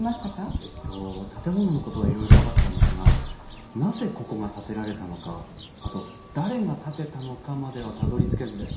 えっと建物のことはいろいろ分かったんですがなぜここが建てられたのかあと誰が建てたのかまではたどりつけずで。